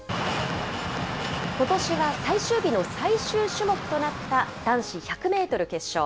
ことしは最終日の最終種目となった男子１００メートル決勝。